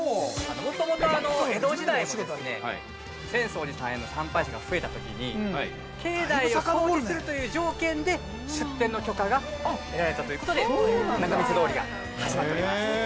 もともと江戸時代も、浅草寺さんへの参拝者が増えたときに、境内を掃除するという条件で出店の許可が得られたということで仲見世通りが始まっております。